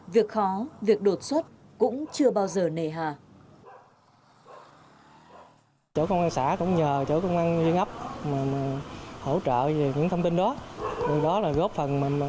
việc khó việc đột xuất cũng chưa bao giờ nề hà